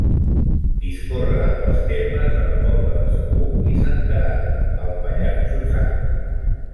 Discorre pels termes de la Pobla de Segur i Senterada, al Pallars Jussà.